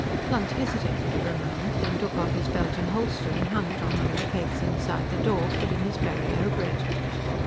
Lunt hesitated for a moment, then took off his belt and holster and hung it on one of the pegs inside the door, putting his beret over it.